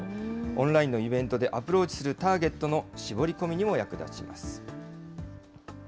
オンラインのイベントでアプローチするターゲットの絞り込みにも役立ちます。